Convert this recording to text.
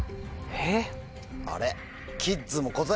えっ！